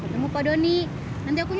tunggu sebentar shay